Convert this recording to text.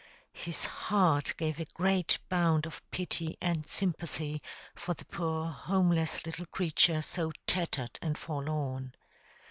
His heart gave a great bound of pity and sympathy for the poor homeless little creature so tattered and forlorn.